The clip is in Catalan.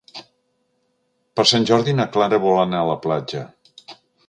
Per Sant Jordi na Clara vol anar a la platja.